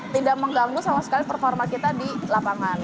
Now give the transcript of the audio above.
tidak mengganggu sama sekali performa kita di lapangan